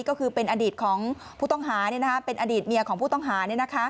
ก็คือเป็นอดีตของผู้ต้องหาเป็นอดีตเมียของผู้ต้องหา